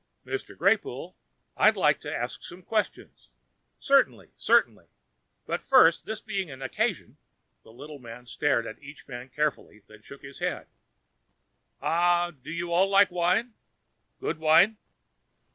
"Mr. Greypoole, I'd like to ask some questions." "Certainly, certainly. But first, this being an occasion " the little man stared at each man carefully, then shook his head " ah, do you all like wine? Good wine?"